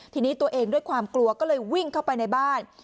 ทีนี้ตัวเองด้วยความกลัวก็เลยวิ่งเข้าไปในบ้าน